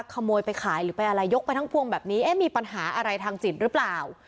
ขโมยไปขายหรือไปอะไรยกไปทั้งพวงแบบนี้เอ๊ะมีปัญหาอะไรทางจิตหรือเปล่า